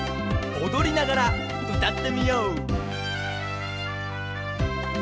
おどりながらうたってみよう！